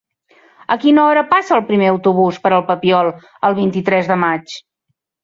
A quina hora passa el primer autobús per el Papiol el vint-i-tres de maig?